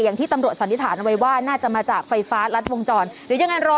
อย่างที่ตำรวจสันนิษฐานวัยว่าน่าจะมาจากไฟฟ้ารัดวงจร